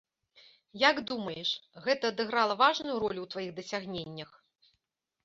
Як думаеш, гэта адыграла важную ролю ў тваіх дасягненнях?